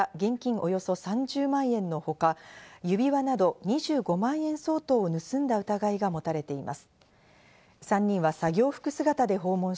およそ３０万円のほか、指輪など２５万円相当を盗んだ疑いが持たれています。